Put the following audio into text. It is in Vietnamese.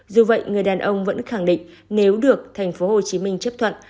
dù vậy người đàn ông vẫn khẳng định nếu được tp hcm chấp thuận